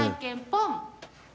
ポン！